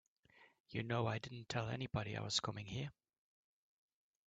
You know I didn't tell anybody I was coming here.